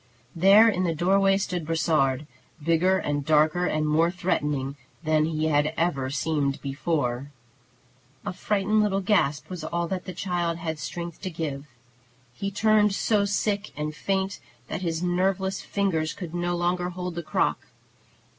There in the doorway stood Brossard, bigger and darker and more threatening than he had ever seemed before. [Illustration: "IT FELL TO THE FLOOR WITH A CRASH."] A frightened little gasp was all that the child had strength to give. He turned so sick and faint that his nerveless fingers could no longer hold the crock.